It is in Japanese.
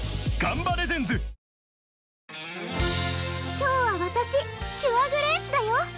今日はわたしキュアグレースだよ！